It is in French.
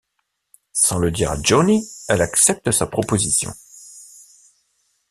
Sans le dire à Johnny, elle accepte sa proposition.